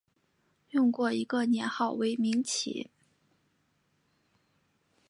用过一个年号为明启。